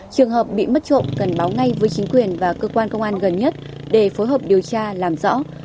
trường hợp bị mất trộm cần báo ngay với chính quyền và cơ quan công an gần nhất để phối hợp điều tra làm rõ